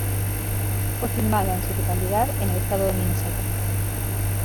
Fue filmada en su totalidad en el estado de Minnesota.